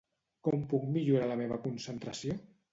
Com puc millorar la meva concentració?